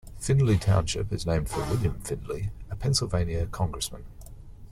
Findley Township is named for William Findley, a Pennsylvania congressman.